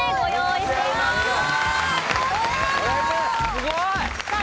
すごい！さあ